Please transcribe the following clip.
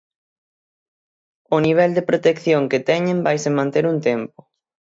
O nivel de protección que teñen vaise manter un tempo.